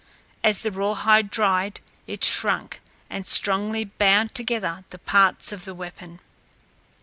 As the rawhide dried, it shrunk and strongly bound together the parts of the weapon.